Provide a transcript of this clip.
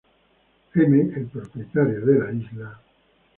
M, el propietario de la isla.